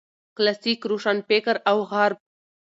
کلاسیک روشنفکر او غرب